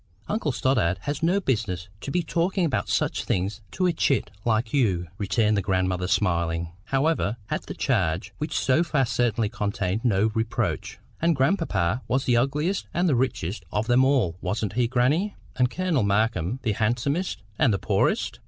"Uncle Stoddart has no business to be talking about such things to a chit like you," returned the grandmother smiling, however, at the charge, which so far certainly contained no reproach. "And grandpapa was the ugliest and the richest of them all—wasn't he, grannie? and Colonel Markham the handsomest and the poorest?"